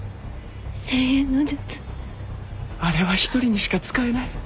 あれは１人にしか使えない